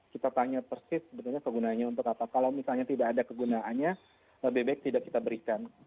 kita tanya persis sebetulnya kegunaannya untuk apa kalau misalnya tidak ada kegunaannya bebek tidak kita berikan